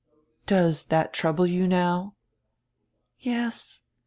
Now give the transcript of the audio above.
"Does that trouble you now?" "Yes.